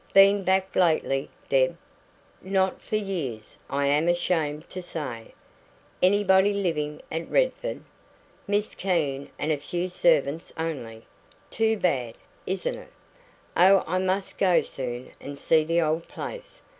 "Been back lately, Deb?" "Not for years, I am ashamed to say." "Anybody living at Redford?" "Miss Keene and a few servants only. Too bad, isn't it? Oh, I must go soon and see the old place.